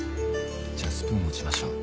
じゃあスプーン持ちましょう。